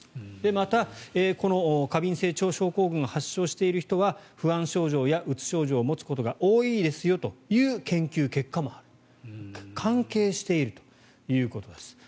また、この過敏性腸症候群を発症している人は不安症状やうつ症状を持つことが多いですよという研究結果もあると。